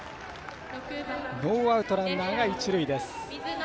ノーアウト、ランナーが一塁です。